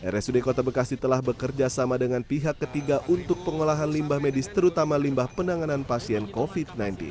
rsud kota bekasi telah bekerja sama dengan pihak ketiga untuk pengolahan limbah medis terutama limbah penanganan pasien covid sembilan belas